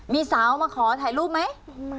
มีสาวมาขอถ่ายรูปไหม